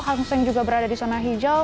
hang seng juga berada di sana hijau